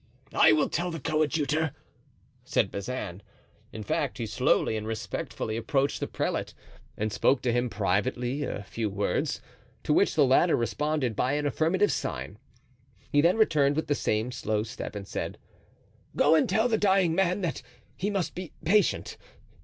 "I will tell the coadjutor," said Bazin. In fact, he slowly and respectfully approached the prelate and spoke to him privately a few words, to which the latter responded by an affirmative sign. He then returned with the same slow step and said: "Go and tell the dying man that he must be patient.